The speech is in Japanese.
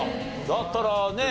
だったらね。